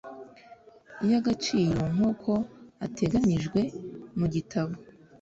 y agaciro nk uko ateganijwe mu gitabo